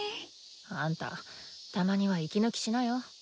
あんたたまには息抜きしなよ。